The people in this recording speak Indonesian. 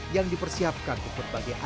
yang dipersiapkan untuk berbagai ajan kejuaraan